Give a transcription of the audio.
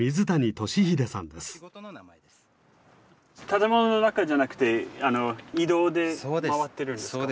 建物の中じゃなくて移動で回ってるんですか？